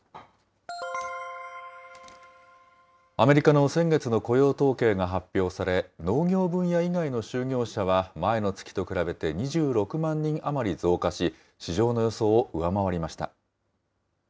アメリカの先月の雇用統計が発表され、農業分野以外の就業者は、前の月と比べて２６万人余り増加し、市場の予想を上回りました。